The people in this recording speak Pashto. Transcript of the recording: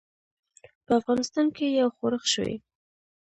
په افغانستان کې یو ښورښ شوی.